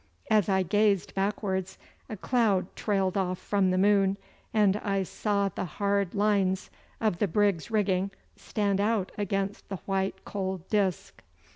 As I gazed backwards a cloud trailed off from the moon, and I saw the hard lines of the brig's rigging stand out against the white cold disk.